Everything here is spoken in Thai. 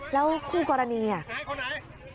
แล้วคู่กรณีอ่ะ